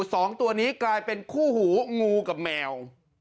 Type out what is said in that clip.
สองตัวนี้กลายเป็นคู่หูงูกับแมว